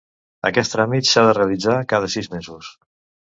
Aquest tràmit s'ha de realitzar cada sis mesos.